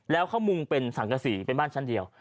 แล้วเขามุงเป็นสังกษีเป็นบ้านชั้นเดียว